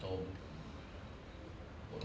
โทษผม